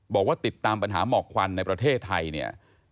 บอกว่าติดตามปัญหาหมอกควันในประเทศไทยเนี่ย